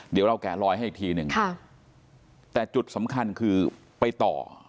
เดี๋ยวเราแกะลอยให้อีกทีหนึ่งค่ะแต่จุดสำคัญคือไปต่อ